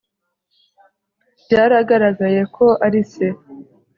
byaragaragaye ko ari se